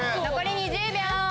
残り２０秒！